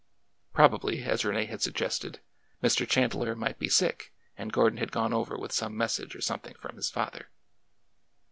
Probably, as Rene had suggested, Mr. Chandler might be sick and Gordon had gone over with some message or something from his father.